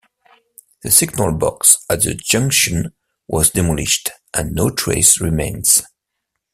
The signal box at the junction was demolished and no trace remains.